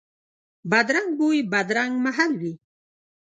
بدرنګ بوی، بدرنګ محل وي